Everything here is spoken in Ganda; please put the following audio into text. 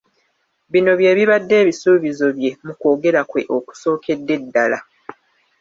Bino bye bibadde ebisuubizo bye mu kwogera kwe okusookedde ddala.